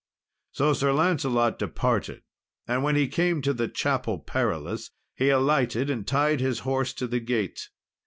So Sir Lancelot departed, and when he came to the Chapel Perilous he alighted, and tied his horse to the gate.